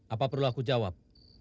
apa perlu aku jawab